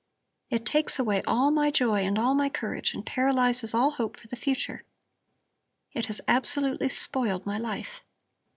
It takes away all my joy and all my courage and paralyzes all hope for the future. It has absolutely spoiled my life."